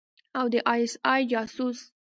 او د آى اس آى جاسوس.